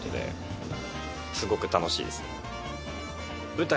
舞台